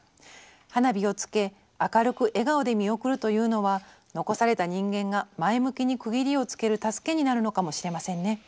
花火をつけ明るく笑顔で見送るというのは残された人間が前向きに区切りをつける助けになるのかもしれませんね。